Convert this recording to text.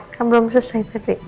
kan belum selesai tapi